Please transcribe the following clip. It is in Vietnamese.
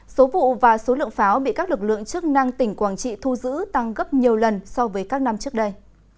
số vụ và số lượng pháo bị các lực lượng chức năng tỉnh quảng trị thu giữ tăng gấp nhiều lần so với các năm trước đây